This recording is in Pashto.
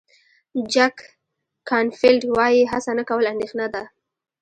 جک کانفیلډ وایي هڅه نه کول اندېښنه ده.